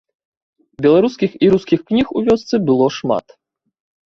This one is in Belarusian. Беларускіх і рускіх кніг у вёсцы было шмат.